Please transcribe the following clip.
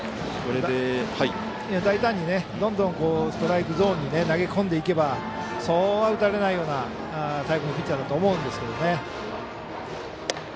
大胆に、どんどんストライクゾーンに投げ込んでいけばそうは打たれないようなタイプのピッチャーだと思うんですけどね。